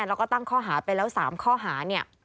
แล้วก็ตั้งข้อหาไปแล้ว๓ข้อหาเนี่ย